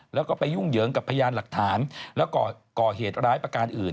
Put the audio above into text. แล้วก็ไปยุ่งเหยิงกับพยานหลักฐานแล้วก่อเหตุร้ายประการอื่น